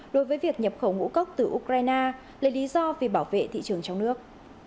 đối với việc nhập khẩu ngũ cốc từ ukraine là lý do vì bảo vệ thị trường trong nước